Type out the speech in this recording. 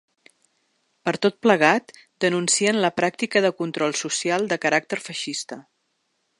Per tot plegat, denuncien ‘la pràctica de control social de caràcter feixista’.